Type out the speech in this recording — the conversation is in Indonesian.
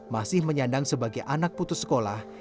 masih menyandang sebagai anak putus sekolah